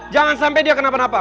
jangan sampai dia kenapa napa